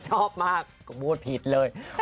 ชอบมากก็พูดผิดเลย